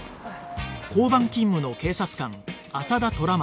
交番勤務の警察官朝田虎松